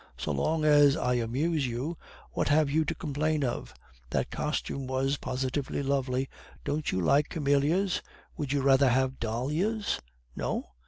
So long as I amuse you, what have you to complain of? That costume was positively lovely. Don't you like camillias? Would you rather have dahlias? No?